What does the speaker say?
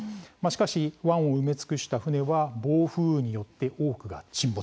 しかし湾を埋め尽くした船は暴風雨によって多くが沈没。